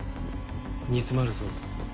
煮詰まるぞ。